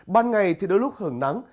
ban ngày thì đôi lúc hưởng nắng